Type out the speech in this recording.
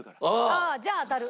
ああじゃあ当たる。